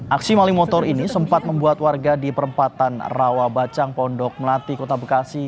aksi maling motor ini sempat membuat warga di perempatan rawabacang pondok melati kota bekasi